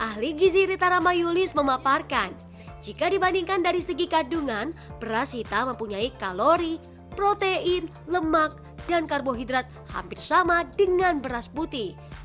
ahli gizi ritarama yulis memaparkan jika dibandingkan dari segi kandungan beras hitam mempunyai kalori protein lemak dan karbohidrat hampir sama dengan beras putih